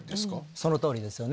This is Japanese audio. その通りですよね。